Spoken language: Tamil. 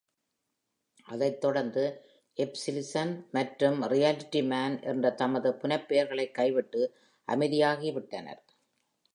அதைத் தொடர்ந்து, "Epsilon" மற்றும் "RealityMan" என்ற தமது புனைப்பெயர்களைக் கைவிட்டு, அமைதியாகிவிட்டனர்.